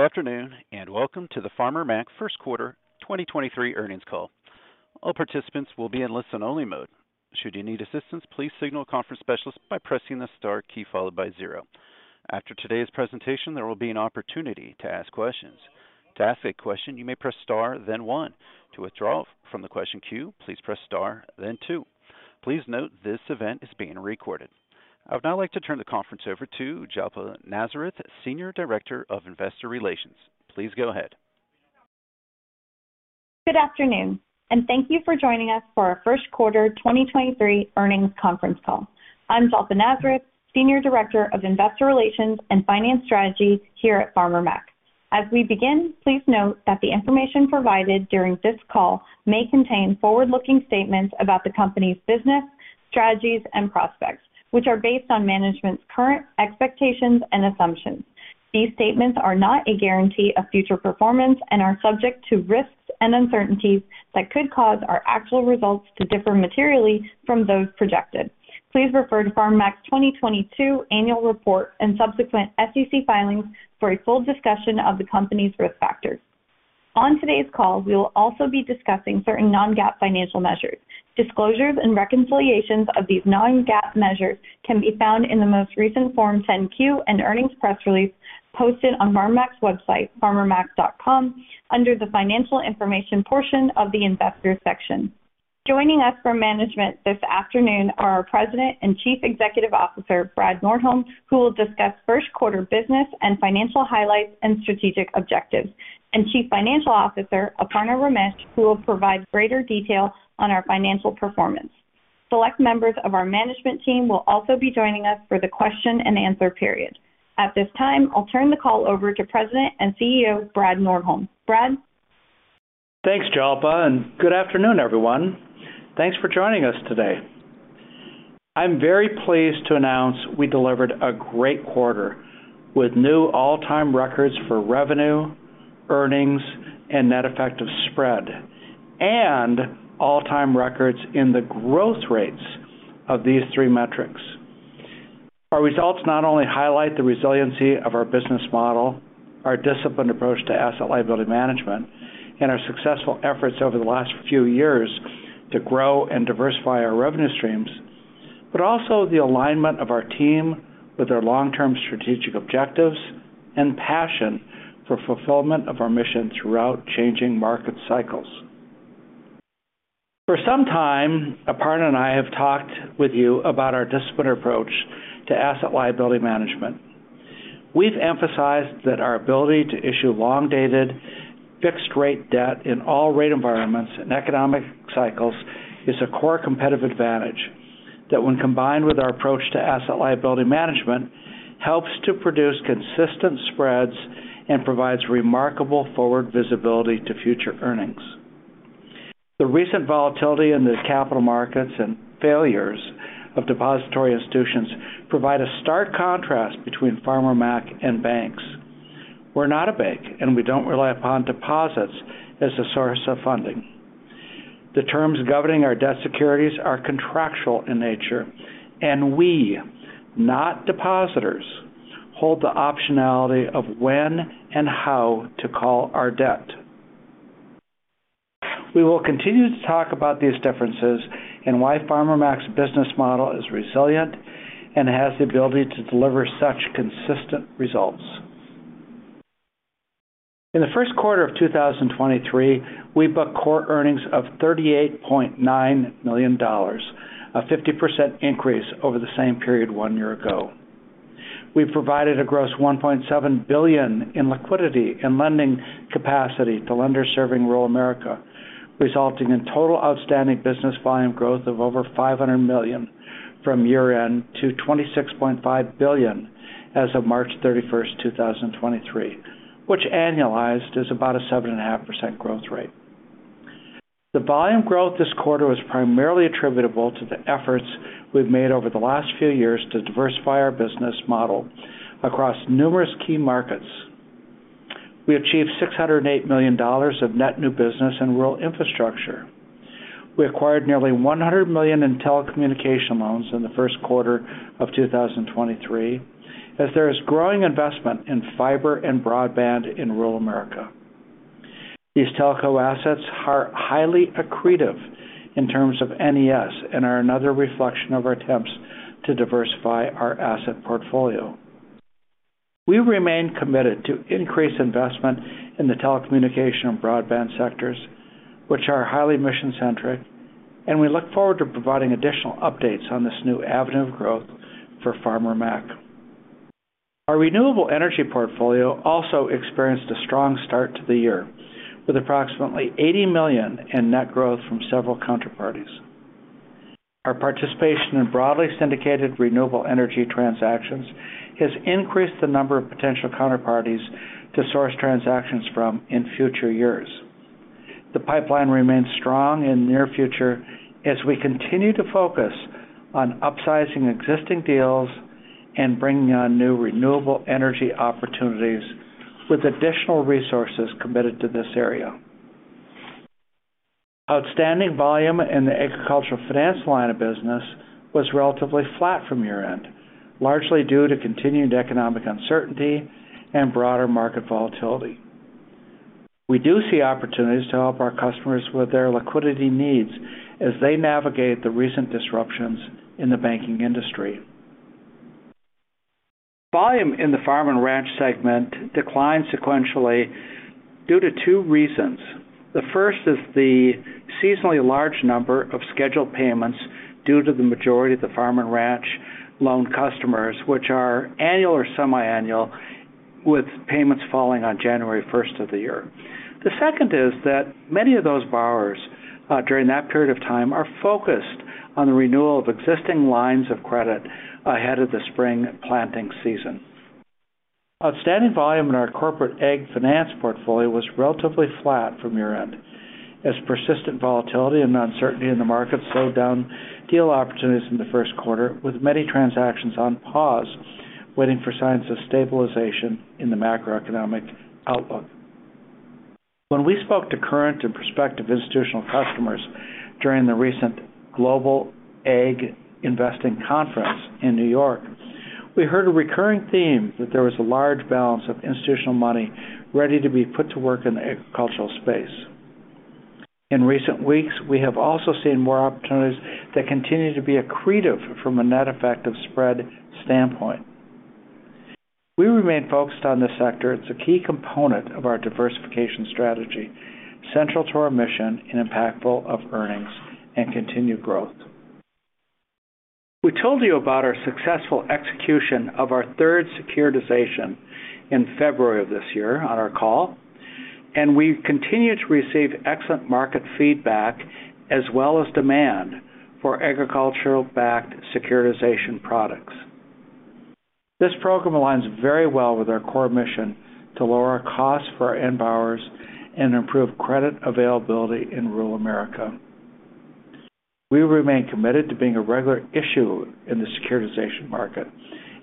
Good afternoon, welcome to the Farmer Mac first quarter 2023 earnings call. All participants will be in listen only mode. Should you need assistance, please signal a conference specialist by pressing the star key followed by zero. After today's presentation, there will be an opportunity to ask questions. To ask a question, you may press Star, then one. To withdraw from the question queue, please press Star, then two. Please note this event is being recorded. I would now like to turn the conference over to Jalpa Nazareth, Senior Director of Investor Relations. Please go ahead. Good afternoon. Thank you for joining us for our first quarter 2023 earnings conference call. I'm Jalpa Nazareth, Senior Director of Investor Relations and Finance Strategy here at Farmer Mac. As we begin, please note that the information provided during this call may contain forward-looking statements about the company's business, strategies, and prospects, which are based on management's current expectations and assumptions. These statements are not a guarantee of future performance and are subject to risks and uncertainties that could cause our actual results to differ materially from those projected. Please refer to Farmer Mac's 2022 annual report and subsequent SEC filings for a full discussion of the company's risk factors. On today's call, we will also be discussing certain non-GAAP financial measures. Disclosures and reconciliations of these non-GAAP measures can be found in the most recent Form 10-Q and earnings press release posted on Farmer Mac's website, farmermac.com, under the financial information portion of the investor section. Joining us for management this afternoon are our President and Chief Executive Officer, Brad Nordholm, who will discuss first quarter business and financial highlights and strategic objectives, and Chief Financial Officer, Aparna Ramesh, who will provide greater detail on our financial performance. Select members of our management team will also be joining us for the question and answer period. At this time, I'll turn the call over to President and CEO, Brad Nordholm. Brad? Thanks, Jalpa, and good afternoon, everyone. Thanks for joining us today. I'm very pleased to announce we delivered a great quarter with new all-time records for revenue, earnings, and net effective spread, and all-time records in the growth rates of these three metrics. Our results not only highlight the resiliency of our business model, our disciplined approach to asset/liability management, and our successful efforts over the last few years to grow and diversify our revenue streams, but also the alignment of our team with their long-term strategic objectives and passion for fulfillment of our mission throughout changing market cycles. For some time, Aparna and I have talked with you about our disciplined approach to asset/liability management. We've emphasized that our ability to issue long-dated fixed-rate debt in all rate environments and economic cycles is a core competitive advantage that when combined with our approach to asset/liability management, helps to produce consistent spreads and provides remarkable forward visibility to future earnings. The recent volatility in the capital markets and failures of depository institutions provide a stark contrast between Farmer Mac and banks. We're not a bank, and we don't rely upon deposits as a source of funding. The terms governing our debt securities are contractual in nature, and we, not depositors, hold the optionality of when and how to call our debt. We will continue to talk about these differences and why Farmer Mac's business model is resilient and has the ability to deliver such consistent results. In the first quarter of 2023, we book core earnings of $38.9 million, a 50% increase over the same period one year ago. We've provided a gross $1.7 billion in liquidity and lending capacity to lenders serving rural America, resulting in total outstanding business volume growth of over $500 million from year-end to $26.5 billion as of March 31st, 2023, which annualized is about a 7.5% growth rate. The volume growth this quarter was primarily attributable to the efforts we've made over the last few years to diversify our business model across numerous key markets. We achieved $608 million of net new business in rural infrastructure. We acquired nearly $100 million in telecommunication loans in the first quarter of 2023, as there is growing investment in fiber and broadband in rural America. These telco assets are highly accretive in terms of NES and are another reflection of our attempts to diversify our asset portfolio. We remain committed to increase investment in the telecommunication and broadband sectors, which are highly mission-centric, and we look forward to providing additional updates on this new avenue of growth for Farmer Mac. Our renewable energy portfolio also experienced a strong start to the year, with approximately $80 million in net growth from several counterparties. Our participation in broadly syndicated renewable energy transactions has increased the number of potential counterparties to source transactions from in future years. The pipeline remains strong in the near future as we continue to focus on upsizing existing deals and bringing on new renewable energy opportunities with additional resources committed to this area. Outstanding volume in the agricultural finance line of business was relatively flat from year-end, largely due to continued economic uncertainty and broader market volatility. We do see opportunities to help our customers with their liquidity needs as they navigate the recent disruptions in the banking industry. Volume in the farm and ranch segment declined sequentially due to two reasons. The first is the seasonally large number of scheduled payments due to the majority of the farm and ranch loan customers, which are annual or semiannual, with payments falling on January first of the year. The second is that many of those borrowers, during that period of time, are focused on the renewal of existing lines of credit ahead of the spring planting season. Outstanding volume in our corporate ag finance portfolio was relatively flat from year-end as persistent volatility and uncertainty in the market slowed down deal opportunities in the first quarter, with many transactions on pause, waiting for signs of stabilization in the macroeconomic outlook. When we spoke to current and prospective institutional customers during the recent Global AgInvesting conference in New York, we heard a recurring theme that there was a large balance of institutional money ready to be put to work in the agricultural space. In recent weeks, we have also seen more opportunities that continue to be accretive from a net effect of spread standpoint. We remain focused on this sector. It's a key component of our diversification strategy, central to our mission and impactful of earnings and continued growth. We told you about our successful execution of our third securitization in February of this year on our call, and we continue to receive excellent market feedback as well as demand for agricultural-backed securitization products. This program aligns very well with our core mission to lower our costs for our end borrowers and improve credit availability in rural America. We remain committed to being a regular issuer in the securitization market.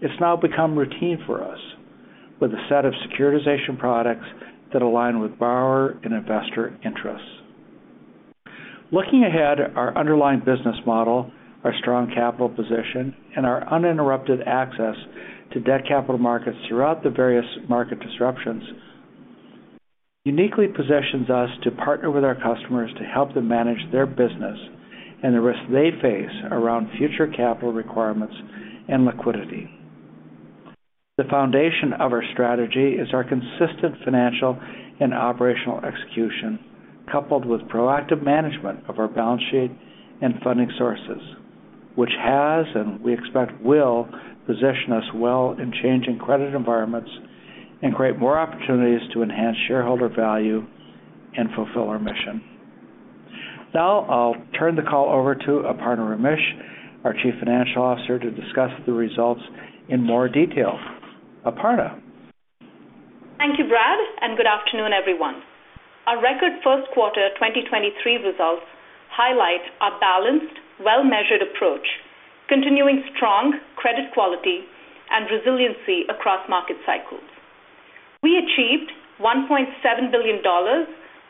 It's now become routine for us with a set of securitization products that align with borrower and investor interests. Looking ahead, our underlying business model, our strong capital position, and our uninterrupted access to debt capital markets throughout the various market disruptions uniquely positions us to partner with our customers to help them manage their business and the risks they face around future capital requirements and liquidity. The foundation of our strategy is our consistent financial and operational execution, coupled with proactive management of our balance sheet and funding sources, which has, and we expect will, position us well in changing credit environments and create more opportunities to enhance shareholder value and fulfill our mission. I'll turn the call over to Aparna Ramesh, our Chief Financial Officer, to discuss the results in more detail. Aparna. Thank you, Brad. Good afternoon, everyone. Our record first quarter 2023 results highlight our balanced, well-measured approach, continuing strong credit quality and resiliency across market cycles. We achieved $1.7 billion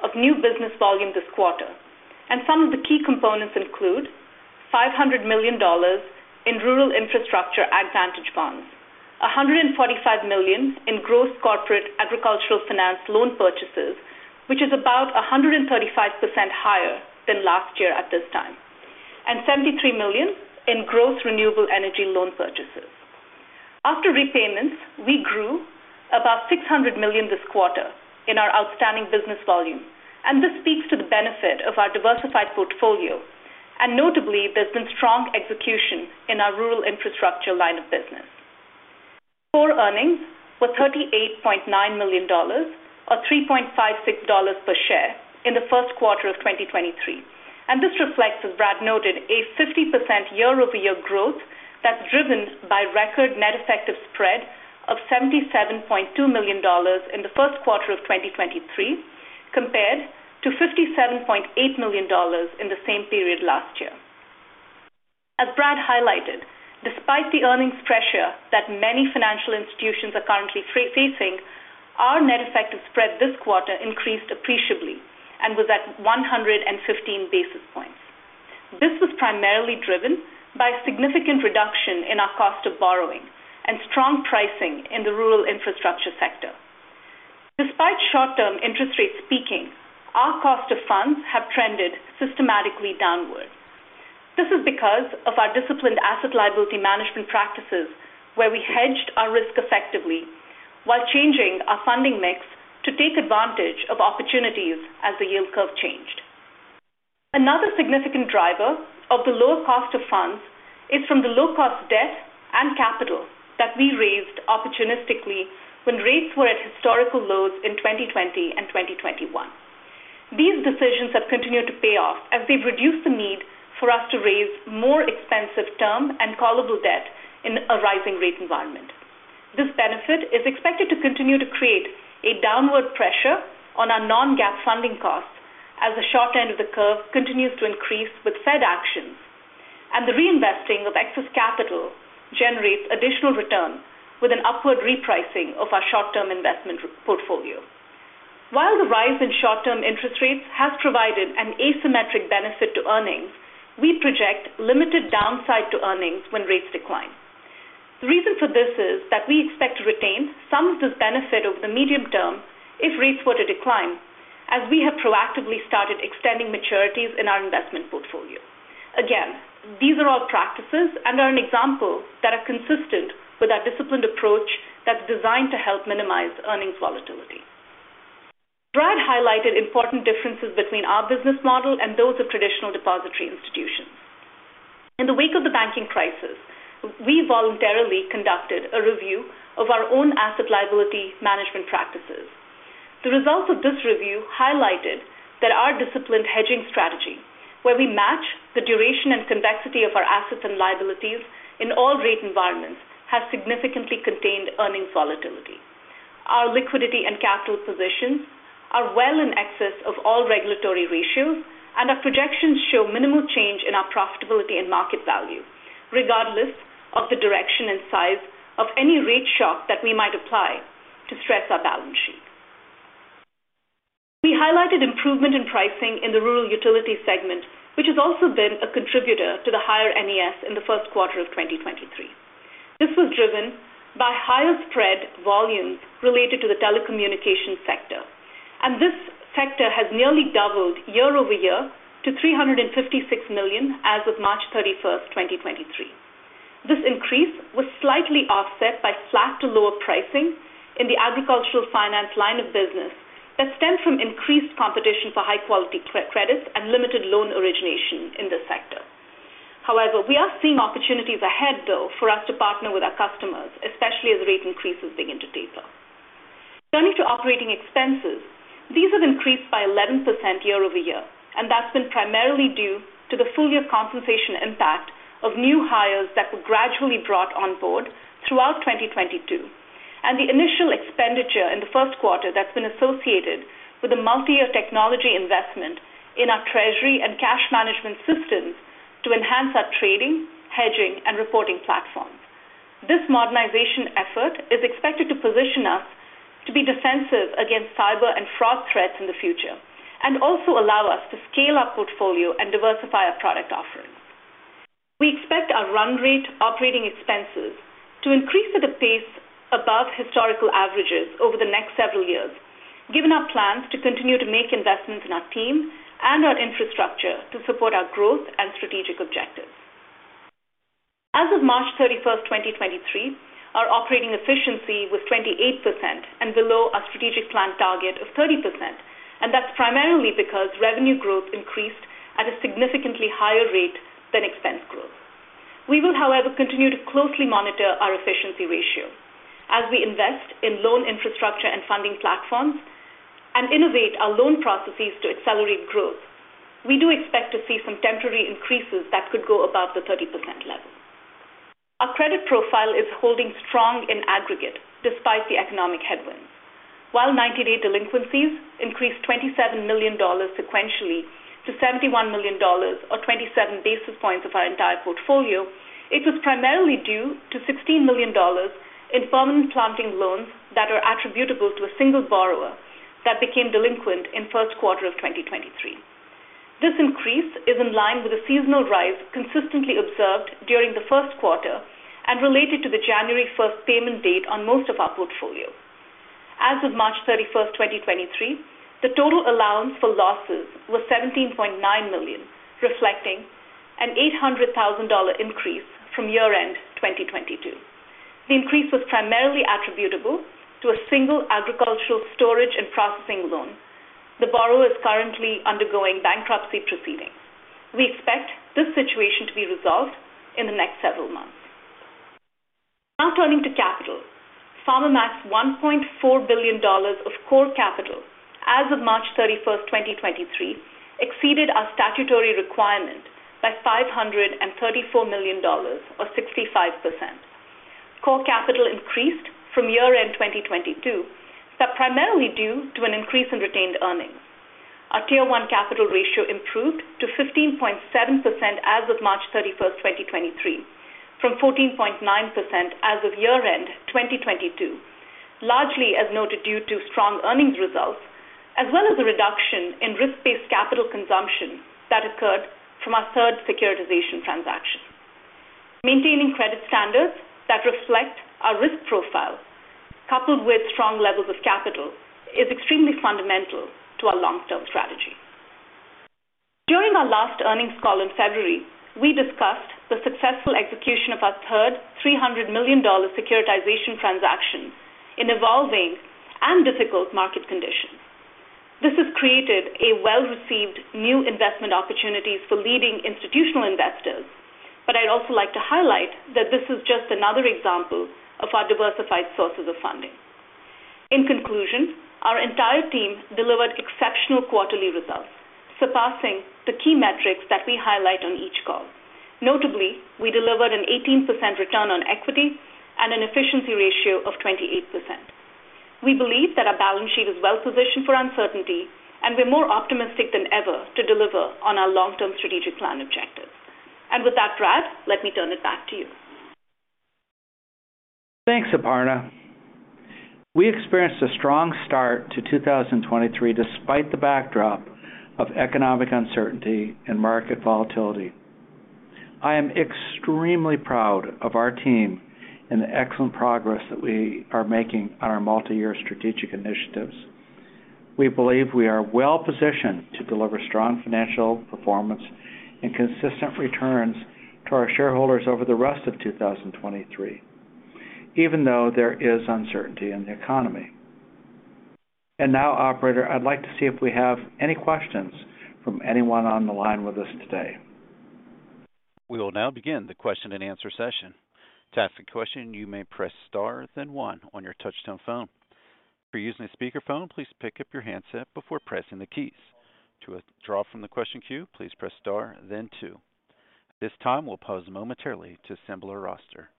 of new business volume this quarter. Some of the key components include $500 million in rural infrastructure AgVantage bonds, $145 million in gross corporate agricultural finance loan purchases, which is about 135% higher than last year at this time, $73 million in gross renewable energy loan purchases. After repayments, we grew about $600 million this quarter in our outstanding business volume. This speaks to the benefit of our diversified portfolio. Notably, there's been strong execution in our rural infrastructure line of business. Core earnings were $38.9 million or $3.56 per share in the first quarter of 2023. This reflects, as Brad noted, a 50% year-over-year growth that's driven by record net effective spread of $77.2 million in the first quarter of 2023, compared to $57.8 million in the same period last year. As Brad highlighted, despite the earnings pressure that many financial institutions are currently facing, our net effective spread this quarter increased appreciably and was at 115 basis points. This was primarily driven by significant reduction in our cost of borrowing and strong pricing in the rural infrastructure sector. Despite short-term interest rates peaking, our cost of funds have trended systematically downward. This is because of our disciplined asset/liability management practices, where we hedged our risk effectively while changing our funding mix to take advantage of opportunities as the yield curve changed. Another significant driver of the lower cost of funds is from the low-cost debt and capital that we raised opportunistically when rates were at historical lows in 2020 and 2021. These decisions have continued to pay off as they've reduced the need for us to raise more expensive term and callable debt in a rising rate environment. This benefit is expected to continue to create a downward pressure on our non-GAAP funding costs as the short end of the curve continues to increase with Fed actions. The reinvesting of excess capital generates additional return with an upward repricing of our short-term investment portfolio. While the rise in short-term interest rates has provided an asymmetric benefit to earnings, we project limited downside to earnings when rates decline. The reason for this is that we expect to retain some of this benefit over the medium term if rates were to decline, as we have proactively started extending maturities in our investment portfolio. Again, these are all practices and are an example that are consistent with our disciplined approach that's designed to help minimize earnings volatility. Brad highlighted important differences between our business model and those of traditional depository institutions. In the wake of the banking crisis, we voluntarily conducted a review of our own asset/liability management practices. The results of this review highlighted that our disciplined hedging strategy, where we match the duration and convexity of our assets and liabilities in all rate environments, has significantly contained earnings volatility. Our liquidity and capital positions are well in excess of all regulatory ratios. Our projections show minimal change in our profitability and market value, regardless of the direction and size of any rate shock that we might apply to stress our balance sheet. We highlighted improvement in pricing in the rural utility segment, which has also been a contributor to the higher NES in the first quarter of 2023. This was driven by higher spread volumes related to the telecommunication sector. This sector has nearly doubled year-over-year to $356 million as of March 31st, 2023. This increase was slightly offset by flat to lower pricing in the agricultural finance line of business that stemmed from increased competition for high-quality credits and limited loan origination in this sector. We are seeing opportunities ahead though for us to partner with our customers, especially as rate increases begin to taper. Turning to operating expenses. These have increased by 11% year-over-year, and that's been primarily due to the full year compensation impact of new hires that were gradually brought on board throughout 2022. The initial expenditure in the first quarter that's been associated with a multi-year technology investment in our treasury and cash management systems to enhance our trading, hedging, and reporting platforms. This modernization effort is expected to position us to be defensive against cyber and fraud threats in the future and also allow us to scale our portfolio and diversify our product offerings. We expect our run rate operating expenses to increase at a pace above historical averages over the next several years, given our plans to continue to make investments in our team and our infrastructure to support our growth and strategic objectives. As of March 31st, 2023, our operating efficiency was 28% and below our strategic plan target of 30%. That's primarily because revenue growth increased at a significantly higher rate than expense growth. We will, however, continue to closely monitor our efficiency ratio. As we invest in loan infrastructure and funding platforms and innovate our loan processes to accelerate growth. We do expect to see some temporary increases that could go above the 30% level. Our credit profile is holding strong in aggregate despite the economic headwinds. While 90-day delinquencies increased $27 million sequentially to $71 million or 27 basis points of our entire portfolio, it was primarily due to $16 million in permanent plantings loans that are attributable to a single borrower that became delinquent in first quarter of 2023. This increase is in line with a seasonal rise consistently observed during the first quarter and related to the January 1st payment date on most of our portfolio. As of March 31st, 2023, the total allowance for losses was $17.9 million, reflecting an $800,000 increase from year-end 2022. The increase was primarily attributable to a single agricultural storage and processing loan. The borrower is currently undergoing bankruptcy proceedings. We expect this situation to be resolved in the next several months. Now turning to capital. Farmer Mac's $1.4 billion of core capital as of March 31st, 2023 exceeded our statutory requirement by $534 million or 65%. Core capital increased from year-end 2022. That's primarily due to an increase in retained earnings. Our Tier 1 capital ratio improved to 15.7% as of March 31st, 2023, from 14.9% as of year-end 2022. Largely as noted due to strong earnings results as well as a reduction in risk-based capital consumption that occurred from our third securitization transaction. Maintaining credit standards that reflect our risk profile coupled with strong levels of capital is extremely fundamental to our long-term strategy. During our last earnings call in February, we discussed the successful execution of our third $300 million securitization transaction in evolving and difficult market conditions. This has created a well-received new investment opportunities for leading institutional investors. I'd also like to highlight that this is just another example of our diversified sources of funding. In conclusion, our entire team delivered exceptional quarterly results, surpassing the key metrics that we highlight on each call. Notably, we delivered an 18% return on equity and an efficiency ratio of 28%. We believe that our balance sheet is well positioned for uncertainty, and we're more optimistic than ever to deliver on our long-term strategic plan objectives. With that, Brad, let me turn it back to you. Thanks, Aparna. We experienced a strong start to 2023 despite the backdrop of economic uncertainty and market volatility. I am extremely proud of our team and the excellent progress that we are making on our multi-year strategic initiatives. We believe we are well-positioned to deliver strong financial performance and consistent returns to our shareholders over the rest of 2023, even though there is uncertainty in the economy. Now, operator, I'd like to see if we have any questions from anyone on the line with us today. We will now begin the question-and-answer session. To ask a question, you may press Star, then one on your touchtone phone. If you're using a speakerphone, please pick up your handset before pressing the keys. To withdraw from the question queue, please press Star, then two. At this time, we'll pause momentarily to assemble our roster.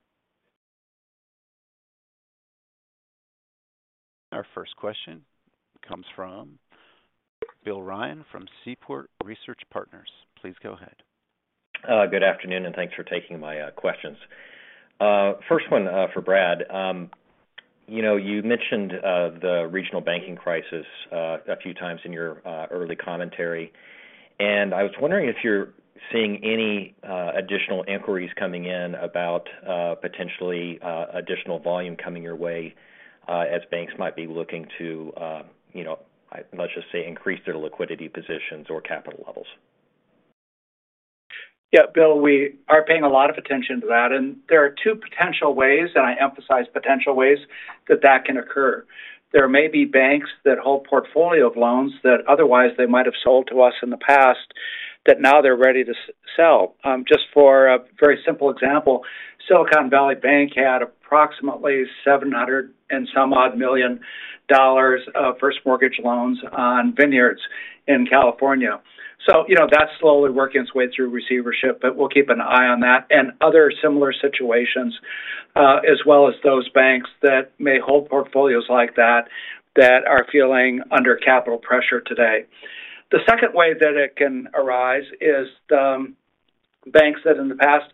Our first question comes from Bill Ryan from Seaport Research Partners. Please go ahead. Good afternoon, and thanks for taking my questions. First one for Brad. You know, you mentioned the regional banking crisis a few times in your early commentary, and I was wondering if you're seeing any additional inquiries coming in about potentially additional volume coming your way as banks might be looking to, you know, let's just say, increase their liquidity positions or capital levels. Yeah, Bill, we are paying a lot of attention to that. There are two potential ways, and I emphasize potential ways, that that can occur. There may be banks that hold portfolio of loans that otherwise they might have sold to us in the past that now they're ready to sell. Just for a very simple example, Silicon Valley Bank had approximately $700 and some odd million of first mortgage loans on vineyards in California. You know, that's slowly working its way through receivership, but we'll keep an eye on that and other similar situations, as well as those banks that may hold portfolios like that that are feeling under capital pressure today. The second way that it can arise is the banks that in the past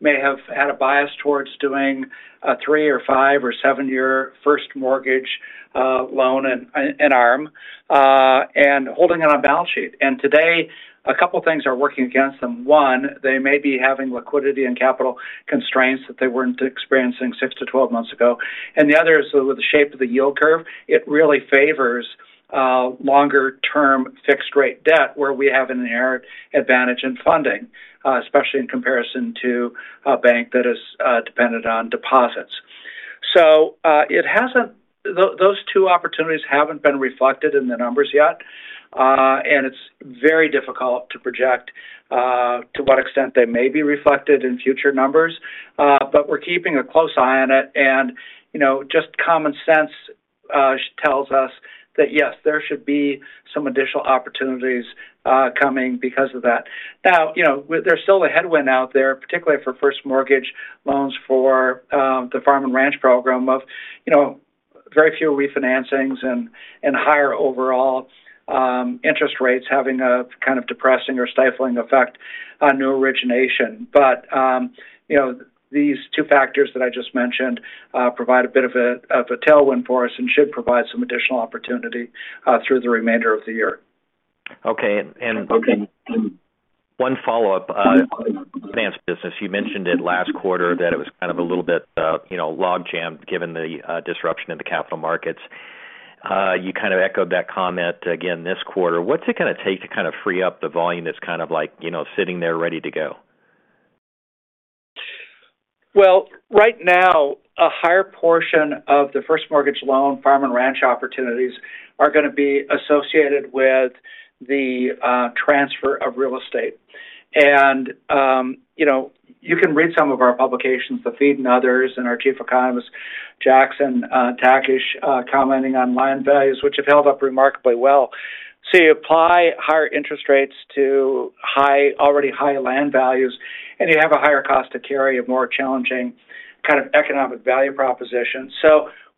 may have had a bias towards doing a three or five or seven-year first mortgage loan and ARM and holding it on a balance sheet. Today, a couple things are working against them. One, they may be having liquidity and capital constraints that they weren't experiencing six to 12 months ago. The other is the shape of the yield curve. It really favors longer-term fixed rate debt, where we have an inherent advantage in funding, especially in comparison to a bank that is dependent on deposits. Those two opportunities haven't been reflected in the numbers yet, and it's very difficult to project to what extent they may be reflected in future numbers. We're keeping a close eye on it and, you know, just common sense tells us that yes, there should be some additional opportunities coming because of that. You know, there's still a headwind out there, particularly for first mortgage loans for the farm and ranch program of, you know, very few refinancings and higher overall interest rates having a kind of depressing or stifling effect on new origination. You know, these two factors that I just mentioned provide a bit of a tailwind for us and should provide some additional opportunity through the remainder of the year. Okay. One follow-up, finance business. You mentioned it last quarter that it was kind of a little bit, you know, log jammed given the disruption in the capital markets. You kind of echoed that comment again this quarter. What's it gonna take to kind of free up the volume that's kind of like, you know, sitting there ready to go? Well, right now, a higher portion of the first mortgage loan, farm and ranch opportunities are gonna be associated with the transfer of real estate. You know, you can read some of our publications, The Feed and others, and our chief economist, Jackson Takach, commenting on land values, which have held up remarkably well. You apply higher interest rates to already high land values, and you have a higher cost to carry, a more challenging kind of economic value proposition.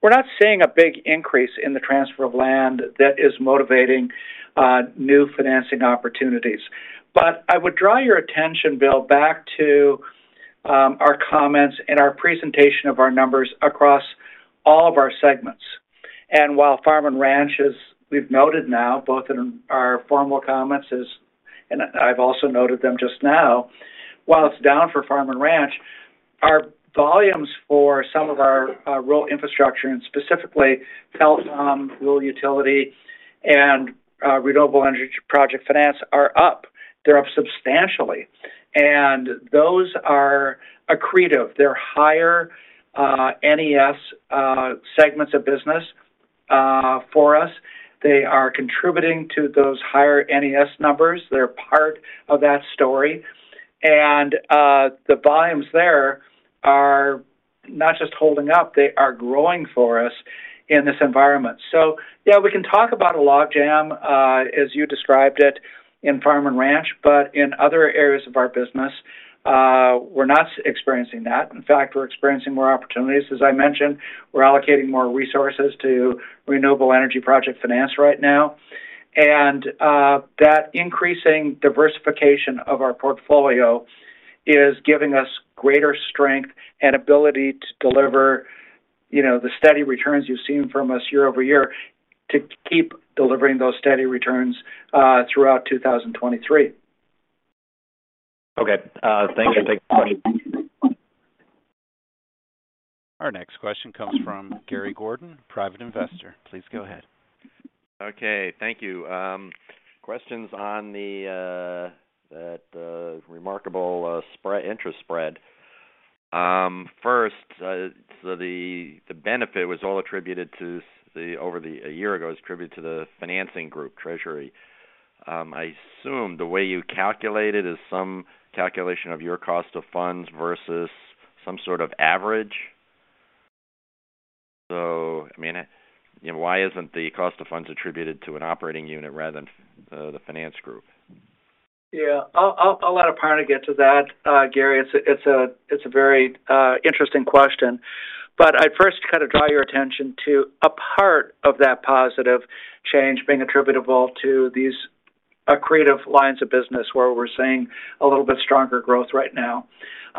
We're not seeing a big increase in the transfer of land that is motivating new financing opportunities. I would draw your attention, Bill, back to our comments and our presentation of our numbers across all of our segments. While farm and ranch is, we've noted now, both in our formal comments and I've also noted them just now. While it's down for farm and ranch, our volumes for some of our rural infrastructure and specifically telecom, rural utility, and renewable energy project finance are up. They're up substantially. Those are accretive. They're higher NES segments of business for us. They are contributing to those higher NES numbers. They're part of that story. The volumes there are not just holding up, they are growing for us in this environment. Yeah, we can talk about a log jam, as you described it in farm and ranch, but in other areas of our business, we're not experiencing that. In fact, we're experiencing more opportunities. As I mentioned, we're allocating more resources to renewable energy project finance right now. That increasing diversification of our portfolio is giving us greater strength and ability to deliver, you know, the steady returns you've seen from us year-over-year to keep delivering those steady returns throughout 2023. Okay. Thank you. Our next question comes from Gary Gordon, private investor. Please go ahead. Okay, thank you. Questions on the that remarkable interest spread. First, the benefit was all attributed to a year ago was attributed to the financing group treasury. I assume the way you calculate it is some calculation of your cost of funds versus some sort of average. I mean, why isn't the cost of funds attributed to an operating unit rather than the finance group? Yeah. I'll let Aparna get to that. Gary, it's a very interesting question. I'd first kinda draw your attention to a part of that positive change being attributable to these creative lines of business where we're seeing a little bit stronger growth right now.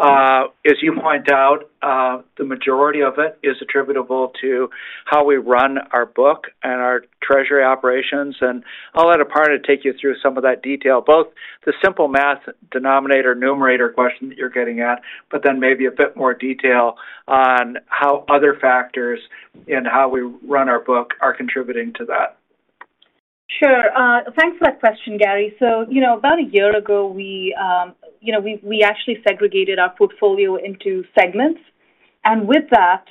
As you point out, the majority of it is attributable to how we run our book and our treasury operations. I'll let Aparna take you through some of that detail, both the simple math denominator/numerator question that you're getting at, but then maybe a bit more detail on how other factors and how we run our book are contributing to that. Sure. Thanks for that question, Gary. You know, about a year ago, we, you know, we actually segregated our portfolio into segments. With that,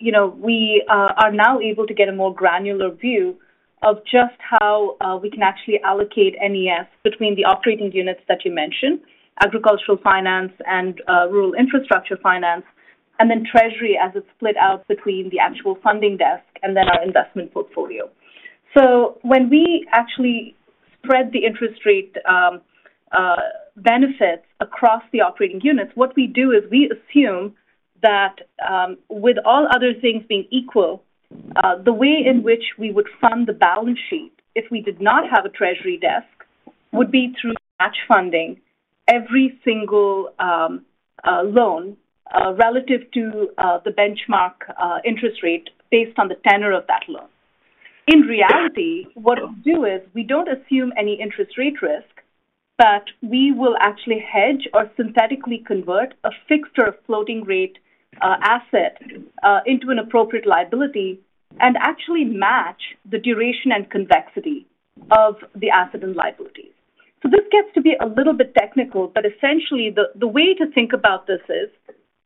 you know, we are now able to get a more granular view of just how we can actually allocate NES between the operating units that you mentioned, agricultural finance and rural infrastructure finance, and then treasury as it's split out between the actual funding desk and then our investment portfolio. When we actually spread the interest rate benefits across the operating units, what we do is we assume that, with all other things being equal, the way in which we would fund the balance sheet if we did not have a treasury desk would be through match funding every single loan relative to the benchmark interest rate based on the tenor of that loan. In reality, what we do is we don't assume any interest rate risk, but we will actually hedge or synthetically convert a fixed or floating rate asset into an appropriate liability and actually match the duration and convexity of the asset and liability. This gets to be a little bit technical, but essentially the way to think about this is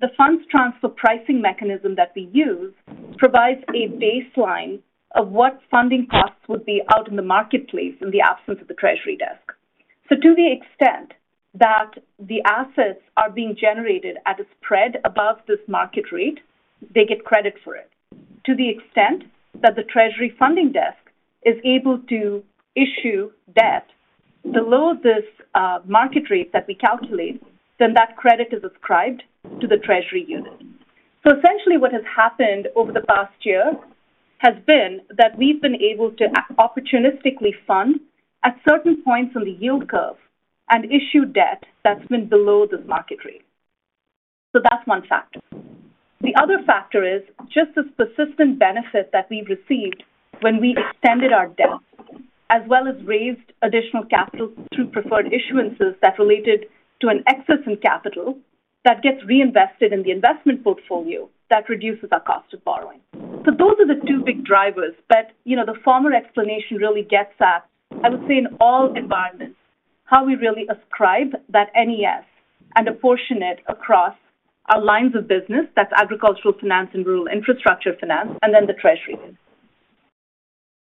the funds transfer pricing mechanism that we use provides a baseline of what funding costs would be out in the marketplace in the absence of the treasury desk. To the extent that the assets are being generated at a spread above this market rate, they get credit for it. To the extent that the treasury funding desk is able to issue debt below this market rate that we calculate, then that credit is ascribed to the treasury unit. Essentially what has happened over the past year has been that we've been able to opportunistically fund at certain points on the yield curve and issue debt that's been below this market rate. That's one factor. The other factor is just the persistent benefit that we've received when we extended our debt, as well as raised additional capital through preferred issuances that related to an excess in capital that gets reinvested in the investment portfolio that reduces our cost of borrowing. Those are the two big drivers. You know, the former explanation really gets at, I would say in all environments, how we really ascribe that NES and apportion it across our lines of business. That's agricultural finance and rural infrastructure finance, and then the treasury.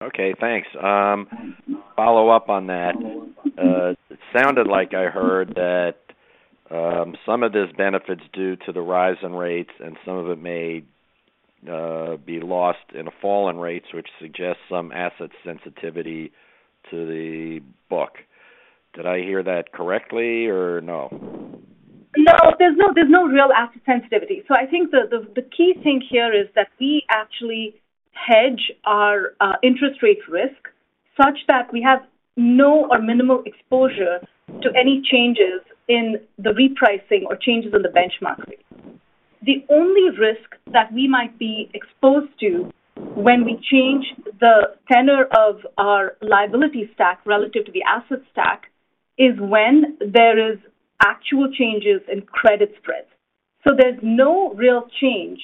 Okay, thanks. Follow up on that. It sounded like I heard that, some of this benefit's due to the rise in rates and some of it may be lost in a fall in rates, which suggests some asset sensitivity to the book. Did I hear that correctly or no? There's no real asset sensitivity. I think the key thing here is that we actually hedge our interest rate risk such that we have no or minimal exposure to any changes in the repricing or changes in the benchmark rate. The only risk that we might be exposed to when we change the tenor of our liability stack relative to the asset stack is when there is actual changes in credit spreads. There's no real change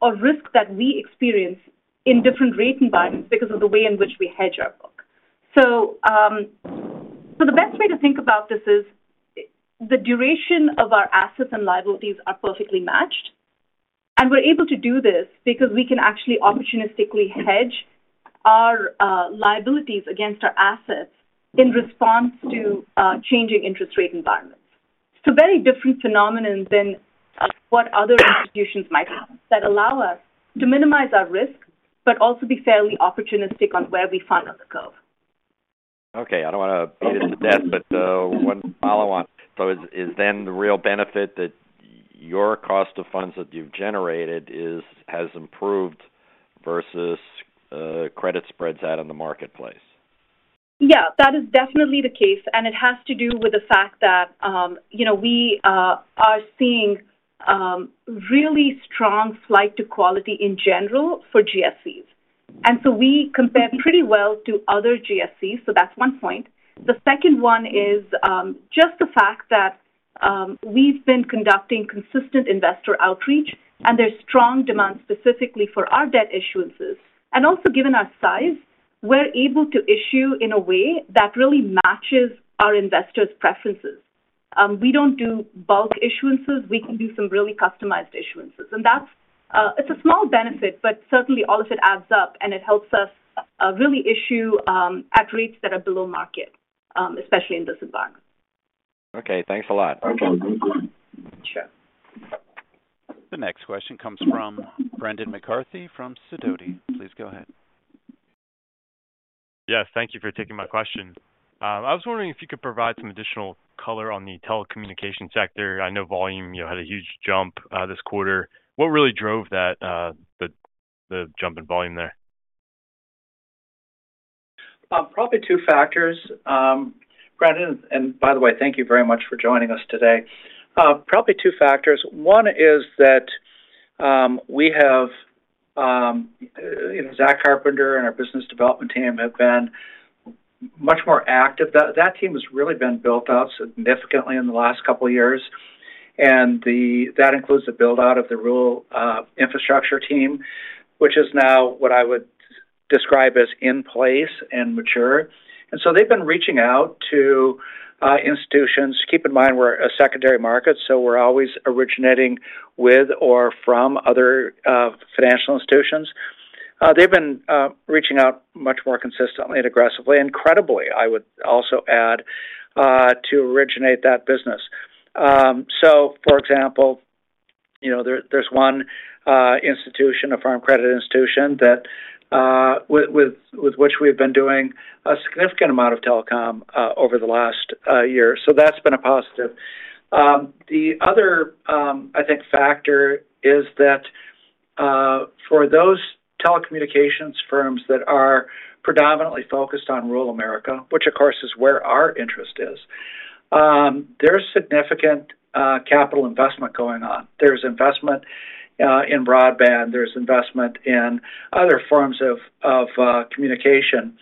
or risk that we experience in different rate environments because of the way in which we hedge our book. The best way to think about this is the duration of our assets and liabilities are perfectly matched, and we're able to do this because we can actually opportunistically hedge our liabilities against our assets in response to changing interest rate environments. It's a very different phenomenon than what other institutions might have that allow us to minimize our risk, but also be fairly opportunistic on where we fund on the curve. Okay. I don't wanna beat it to death, but one follow on. Is then the real benefit that your cost of funds that you've generated has improved versus credit spreads out in the marketplace? Yeah, that is definitely the case, and it has to do with the fact that, you know, we are seeing really strong flight to quality in general for GSEs. We compare pretty well to other GSEs, so that's one point. The second one is just the fact that we've been conducting consistent investor outreach, and there's strong demand specifically for our debt issuances. Also given our size, we're able to issue in a way that really matches our investors' preferences. We don't do bulk issuances. We can do some really customized issuances. It's a small benefit, but certainly all of it adds up, and it helps us really issue at rates that are below market, especially in this environment. Okay. Thanks a lot. Okay. Sure. The next question comes from Brendan McCarthy from Sidoti. Please go ahead. Yes, thank you for taking my question. I was wondering if you could provide some additional color on the telecommunication sector. I know volume, you know, had a huge jump, this quarter. What really drove that, the jump in volume there? Probably two factors, Brendan. By the way, thank you very much for joining us today. Probably two factors. One is that, we have, you know, Zach Carpenter and our business development team have been much more active. That team has really been built out significantly in the last couple years. That includes the build-out of the rural infrastructure team, which is now what I would describe as in place and mature. They've been reaching out to institutions. Keep in mind, we're a secondary market, so we're always originating with or from other financial institutions. They've been reaching out much more consistently and aggressively, and credibly, I would also add, to originate that business. For example, you know, there's one institution, a Farm Credit institution that with which we've been doing a significant amount of telecom over the last year. That's been a positive. The other, I think, factor is that for those telecommunications firms that are predominantly focused on rural America, which of course is where our interest is, there's significant capital investment going on. There's investment in broadband, there's investment in other forms of communication.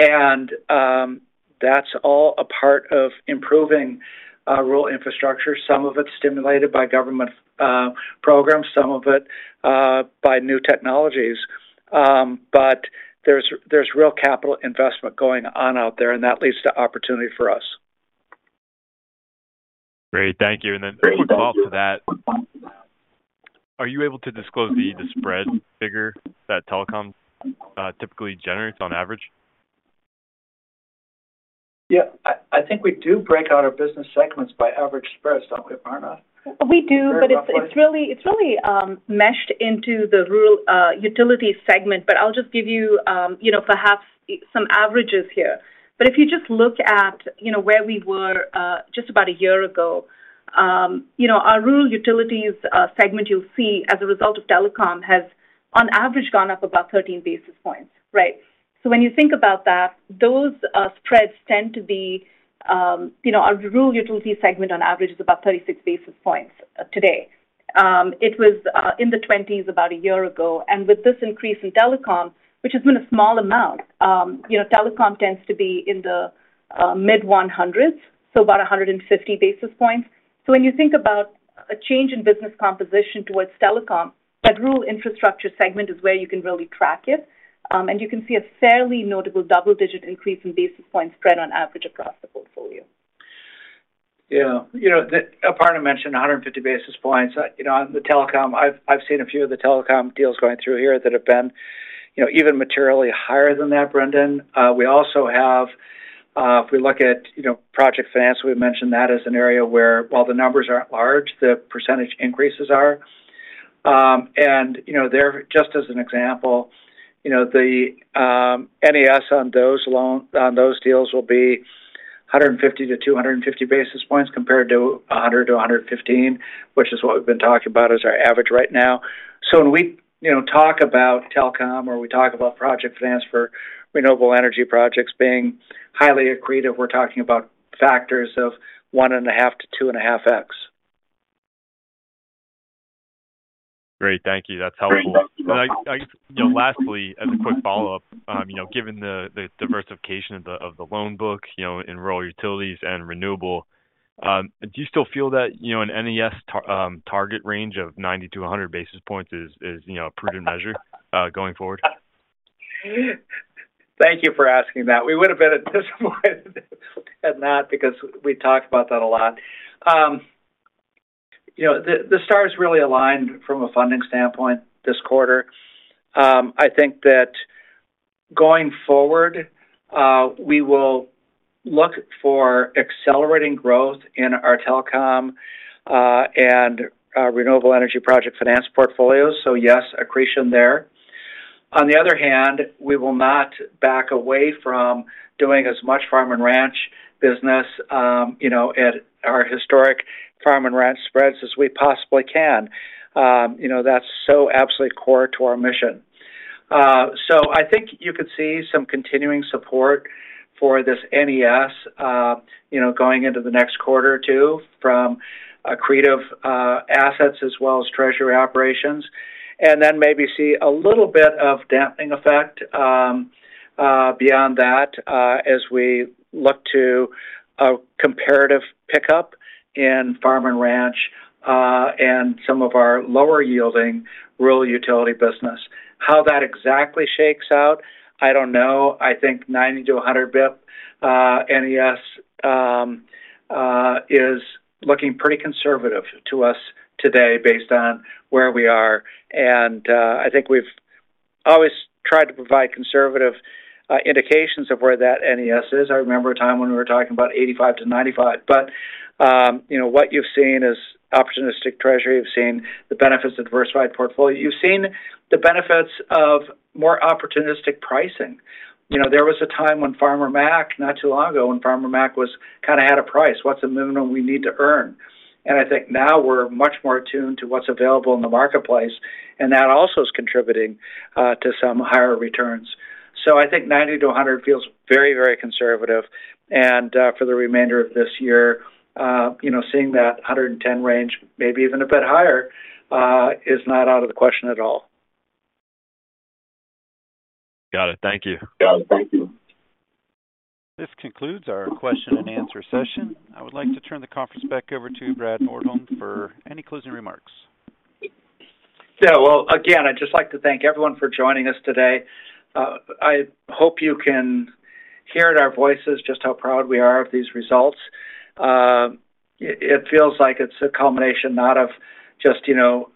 That's all a part of improving rural infrastructure. Some of it's stimulated by government programs, some of it by new technologies. There's real capital investment going on out there, and that leads to opportunity for us. Great. Thank you. Then one follow-up to that. Are you able to disclose the spread figure that telecom typically generates on average? Yeah. I think we do break out our business segments by average spreads, don't we, Aparna? We do. Very roughly. It's really meshed into the rural utility segment, but I'll just give you know, perhaps some averages here. If you just look at, you know, where we were, just about a year ago, you know, our rural utilities segment, you'll see as a result of telecom, has on average gone up about 13 basis points, right? When you think about that, those spreads tend to be, you know. Our rural utility segment on average is about 36 basis points today. It was in the 20s about a year ago. With this increase in telecom, which has been a small amount, you know, telecom tends to be in the mid-100s, so about 150 basis points. When you think about a change in business composition towards telecom, that rural infrastructure segment is where you can really track it. You can see a fairly notable double-digit increase in basis points spread on average across the portfolio. Yeah. You know, Aparna mentioned 150 basis points. You know, on the telecom I've seen a few of the telecom deals going through here that have been, you know, even materially higher than that, Brendan. We also have, if we look at, you know, project finance, we've mentioned that as an area where while the numbers aren't large, the percentage increases are. You know, just as an example, you know, the NES on those deals will be 150-250 basis points compared to 100-115 basis points, which is what we've been talking about as our average right now. When we, you know, talk about telecom or we talk about project finance for renewable energy projects being highly accretive, we're talking about factors of 1.5x-2.5x. Great. Thank you. That's helpful. I just, you know, lastly, as a quick follow-up, you know, given the diversification of the loan book, you know, in rural utilities and renewable, do you still feel that, you know, an NES target range of 90-100 basis points is, you know, a prudent measure, going forward? Thank you for asking that. We would have been disappointed at that because we talked about that a lot. You know, the stars really aligned from a funding standpoint this quarter. I think that going forward, we will look for accelerating growth in our telecom, and our renewable energy project finance portfolio. Yes, accretion there. On the other hand, we will not back away from doing as much farm and ranch business, you know, at our historic farm and ranch spreads as we possibly can. You know, that's so absolutely core to our mission. I think you could see some continuing support for this NES, you know, going into the next quarter or two from accretive assets as well as treasury operations. Then maybe see a little bit of dampening effect beyond that, as we look to a comparative pickup in farm and ranch and some of our lower yielding rural utility business. How that exactly shakes out, I don't know. I think 90-100 bps NES is looking pretty conservative to us today based on where we are. I think we've always tried to provide conservative indications of where that NES is. I remember a time when we were talking about 85-95. you know, what you've seen is opportunistic treasury. You've seen the benefits of diversified portfolio. You've seen the benefits of more opportunistic pricing. You know, there was a time when Farmer Mac, not too long ago, when Farmer Mac was kinda at a price, what's the minimum we need to earn? I think now we're much more attuned to what's available in the marketplace, and that also is contributing, to some higher returns. I think 90-100 feels very, very conservative and, for the remainder of this year, you know, seeing that 110 range, maybe even a bit higher, is not out of the question at all. Got it. Thank you. Got it. Thank you. This concludes our question and answer session. I would like to turn the conference back over to Brad Nordholm for any closing remarks. Well, again, I'd just like to thank everyone for joining us today. I hope you can hear in our voices just how proud we are of these results. It feels like it's a culmination not of just, you know,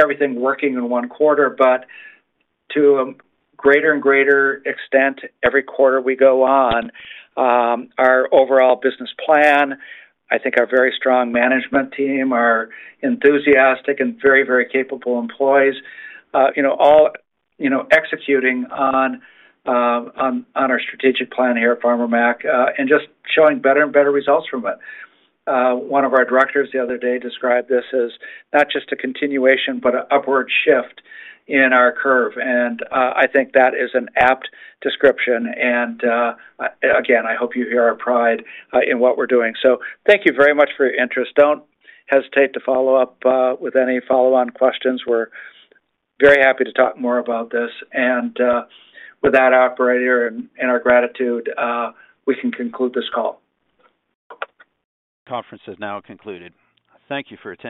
everything working in one quarter, but to a greater and greater extent every quarter we go on. Our overall business plan, I think our very strong management team, our enthusiastic and very, very capable employees, you know, all, you know, executing on our strategic plan here at Farmer Mac, and just showing better and better results from it. One of our directors the other day described this as not just a continuation, but an upward shift in our curve. I think that is an apt description. Again, I hope you hear our pride in what we're doing. Thank you very much for your interest. Don't hesitate to follow up with any follow-on questions. We're very happy to talk more about this. With that operator and our gratitude, we can conclude this call. Conference has now concluded. Thank you for your time.